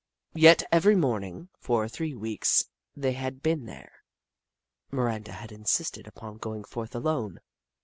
Yet every morning, for the three weeks they had been there, Miranda had insisted upon going forth alone.